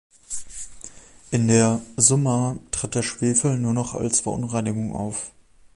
In der "Summa" tritt der Schwefel nur noch als Verunreinigung auf.